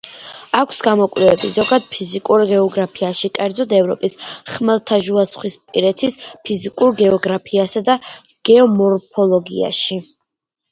აქვს გამოკვლევები ზოგად ფიზიკურ გეოგრაფიაში, კერძოდ ევროპის, ხმელთაშუაზღვისპირეთის ფიზიკურ გეოგრაფიასა და გეომორფოლოგიაში.